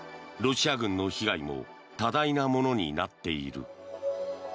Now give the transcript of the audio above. ロシア軍の被害も多大なものになっている。